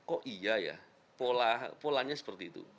oh iya ya polanya seperti itu